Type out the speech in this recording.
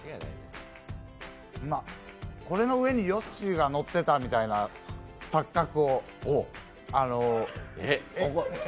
ま、これの上にヨッシーが乗ってたみたいな錯覚を。